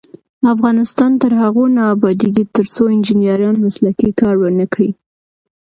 افغانستان تر هغو نه ابادیږي، ترڅو انجنیران مسلکي کار ونکړي.